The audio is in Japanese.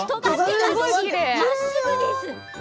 まっすぐです。